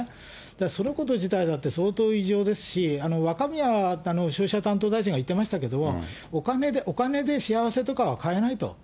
だからそのこと自体だって相当異常ですし、わかみや消費者担当大臣が言ってましたけど、お金で幸せとかは買えないと。